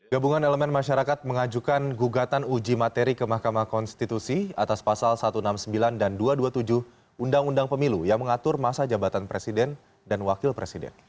gabungan elemen masyarakat mengajukan gugatan uji materi ke mahkamah konstitusi atas pasal satu ratus enam puluh sembilan dan dua ratus dua puluh tujuh undang undang pemilu yang mengatur masa jabatan presiden dan wakil presiden